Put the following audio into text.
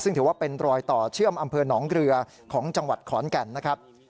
ซึ่งถือว่าเป็นรอยต่อเชื่อมอำเภอหนองเรือของจังหวัดขอนแก่นนะครับ